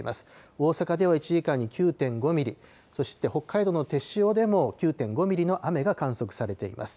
大阪では１時間に９．５ミリ、そして北海道の天塩でも９．５ミリの雨が観測されています。